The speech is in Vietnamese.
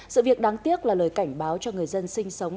sự việc đáng tiếc là lời cảnh báo cho người dân sinh sống